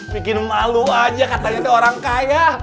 bikin malu aja katanya orang nya orang kaya